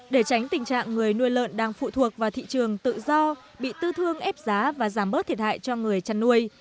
để tránh tình trạng người nuôi lợn đang phụ thuộc vào thị trường tự do bị tư thương ép giá và giảm bớt thiệt hại cho người chăn nuôi